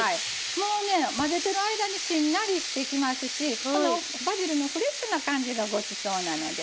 もうね混ぜてる間にしんなりしてきますしこのバジルのフレッシュな感じがごちそうなのでね。